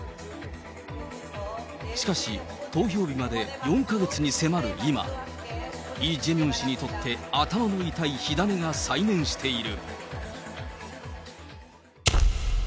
しかし、投票日まで４か月に迫る今、イ・ジェミョン氏にとって頭の痛い火種が再燃している。